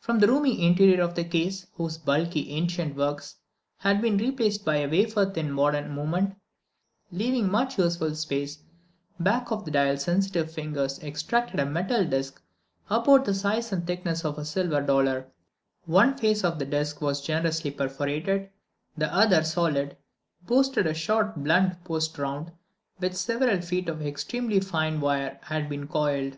From the roomy interior of the case—whose bulky ancient works had been replaced by a wafer thin modern movement, leaving much useful space back of the dial—sensitive fingers extracted a metal disk about the size and thickness of a silver dollar. One face of this disk was generously perforated, the other, solid, boasted a short blunt post round which several feet of extremely fine wire had been coiled.